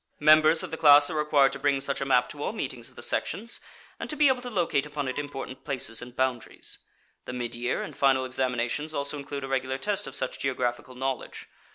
Members of the class are required to bring such a map to all meetings of the sections, and to be able to locate upon it important places and boundaries. The mid year and final examinations also include a regular test of such geographical knowledge.